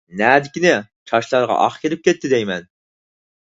نەدىكىنى، چاچلارغا ئاق كىرىپ كەتتى دەيمەن.